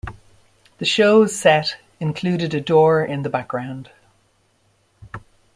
The show's set included a door in the background.